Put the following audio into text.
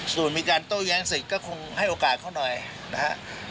ส่วนมีการโต้แย้งสิทธิ์ก็คงให้โอกาสเขาหน่อยนะครับ